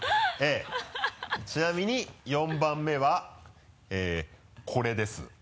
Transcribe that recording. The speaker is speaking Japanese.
ちなみに４番目はこれです。